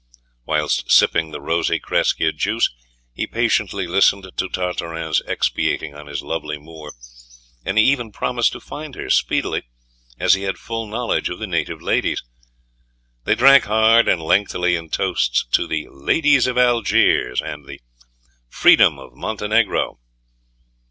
Whilst sipping the rosy Crescia juice he patiently listened to Tartarin's expatiating on his lovely Moor, and he even promised to find her speedily, as he had full knowledge of the native ladies. They drank hard and lengthily in toasts to "The ladies of Algiers" and "The freedom of Montenegro!"